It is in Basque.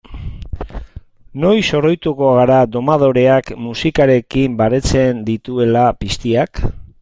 Noiz oroituko gara domadoreak musikarekin baretzen dituela piztiak?